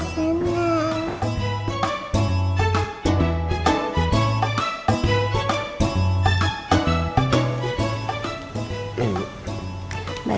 sayang seneng sekolah